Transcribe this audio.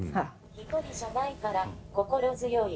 「一人じゃないから心強い。